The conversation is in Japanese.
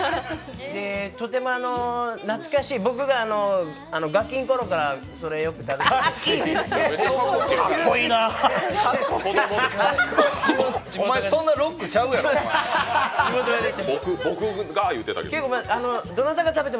とても懐かしい、僕がガキの頃からそれをよく食べて。